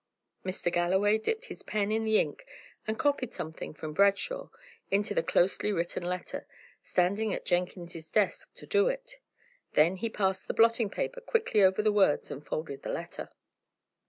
Mr. Galloway dipped his pen in the ink, and copied something from "Bradshaw" into the closely written letter, standing at Jenkins's desk to do it; then he passed the blotting paper quickly over the words, and folded the letter.